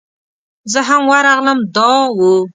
زه هم ورغلم دا و.